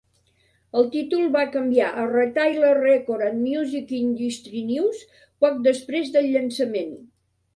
El títol va canviar a "Retailer Record and Music Industry News" poc després del llançament.